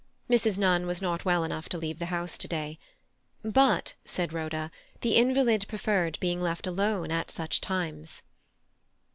Mrs. Nunn was not well enough to leave the house to day; but, said Rhoda, the invalid preferred being left alone at such times.